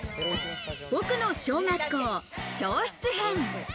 ぼくの小学校教室編。